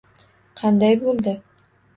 Qanday bo'ldi?